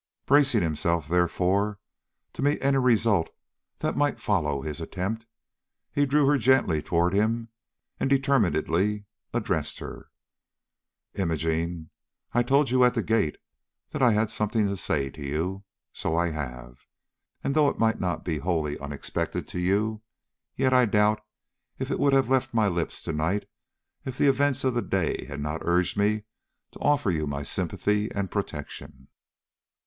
Bracing himself, therefore, to meet any result that might follow his attempt, he drew her gently toward him and determinedly addressed her. "Imogene, I told you at the gate that I had something to say to you. So I have; and though it may not be wholly unexpected to you, yet I doubt if it would have left my lips to night if the events of the day had not urged me to offer you my sympathy and protection."